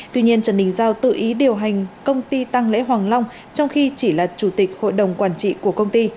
tuy nhiên trần đình giao tự ý điều hành công ty tăng lễ hoàng long trong khi chỉ là chủ tịch hội đồng quản trị của công ty